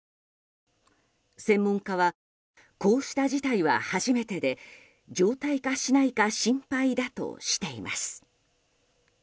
専門家はこうした事態は初めてで常態化しないか心配だとしています。